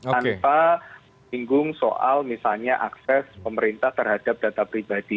tanpa bingung soal misalnya akses pemerintah terhadap data pribadi